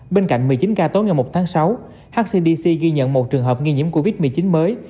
bên cạnh một mươi chín ca tối ngày một tháng sáu hdc ghi nhận một trường hợp nghi nhiễm covid một mươi chín mới